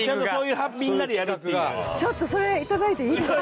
ちょっとそれ頂いていいですか？